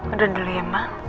udah dulu ya ma